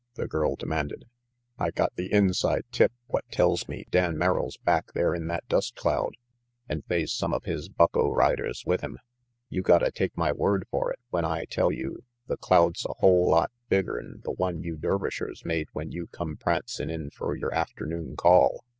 the girl demanded. "I got the inside tip what tells me Dan Merrill's back there in that dust cloud, and they's some of 36 RANGY PETE his bucko riders with him. You gotta take my word for it when I tell you the cloud's a whole lot bigger 'n the one you Dervishers made when you come prancin' in fer your afternoon call.